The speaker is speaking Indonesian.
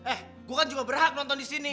eh gue kan juga berhak nonton disini